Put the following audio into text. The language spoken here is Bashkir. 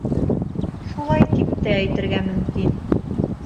— Шулай тип тә әйтергә мөмкин.